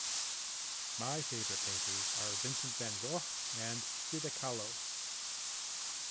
My favorite painters are Vincent van Gogh and Frida Kahlo.